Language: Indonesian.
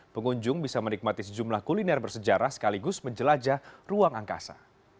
pengunjung bisa menikmati sejumlah kuliner bersejarah sekaligus menjelajah ruang angkasa